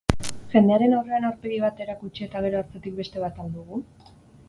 Jendearen aurrean aurpegi bat erakutsi eta gero atzetik beste bat al dugu?